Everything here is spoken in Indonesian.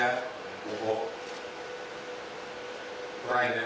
dan pupuk peraina